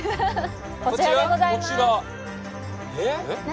こちらでございますえっ？